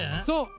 そう。